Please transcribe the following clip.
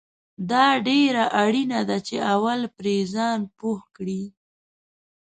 دا ډیره اړینه ده چې اول پرې ځان پوه کړې